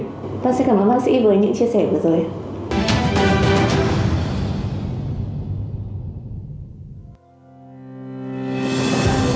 vâng xin cảm ơn bác sĩ với những chia sẻ vừa rồi